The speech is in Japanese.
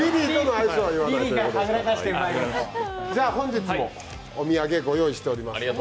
本日もお土産ご用意しております。